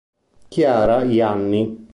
Chiara Ianni